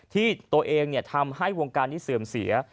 ที่ตัวเองทำให้วงการนี้เสื่อมเสีย